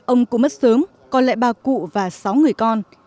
ông cũng mất sớm còn lại ba cụ và sáu người con